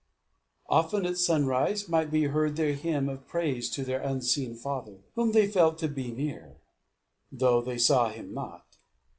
Often, at sunrise, might be heard their hymn of praise to their unseen father, whom they felt to be near, though they saw him not.